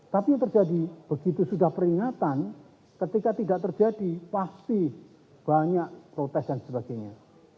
tapi yang terjadi begitu sudah peringatan ketika tidak terjadi pasti banyak protes dan sebagainya